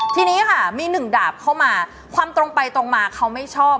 ทีนี้ค่ะมีหนึ่งดาบเข้ามาความตรงไปตรงมาเขาไม่ชอบ